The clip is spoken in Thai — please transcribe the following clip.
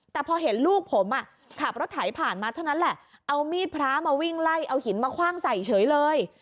แต่พอเห็นลูกผมอ่ะขับรถไถผ่านมาเท่านั้นแหละเอามีดพระมาวิ่งไล่เอาหินมาคว่างใส่เฉยเลย